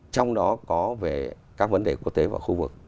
trong đó có về các vấn đề quốc tế và khu vực